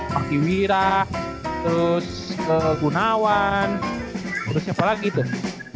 makti wira terus ke gunawan terus apalagi tuh